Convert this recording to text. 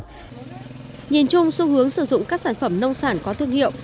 nhìn chung xu hướng sử dụng các sản phẩm nông sản có thương hiệu